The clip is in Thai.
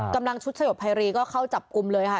กำลังชุดสยบไพรีก็เข้าจับกลุ่มเลยค่ะ